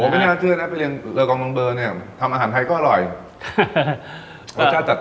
ไม่น่าเชื่อนะไปเรียนเรือกองบางเบอร์เนี่ยทำอาหารไทยก็อร่อยรสชาติจัด